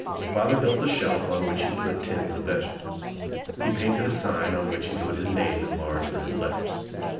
Father built a shelf on which he put tins of vegetables. He painted a sign on which he put his name in large red letters.